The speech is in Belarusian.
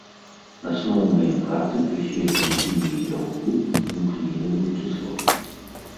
Асноўныя працы прысвечаны хіміі бялку і нуклеінавым кіслотам.